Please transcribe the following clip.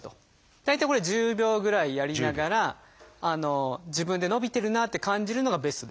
大体これ１０秒ぐらいやりながら自分で伸びてるなあって感じるのがベストです。